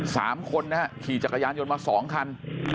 สามคนนะฮะขี่จักรยานยนต์มาสองคัน